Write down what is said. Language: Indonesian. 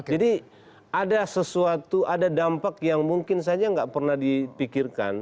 jadi ada sesuatu ada dampak yang mungkin saja nggak pernah dipikirkan